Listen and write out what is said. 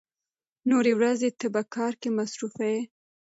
نورې ورځې ته په کار کې مصروف يې.